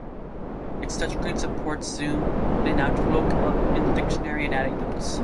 Its touchscreen supports zoom in and out, look up in dictionary and adding notes.